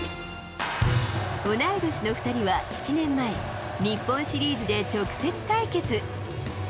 同い年の２人は７年前、日本シリーズで直接対決。